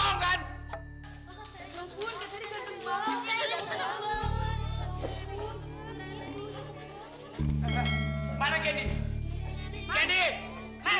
mas sudah dengar kan dari penjaga penjaga penjara disini kalau candy itu sudah tidak ada disini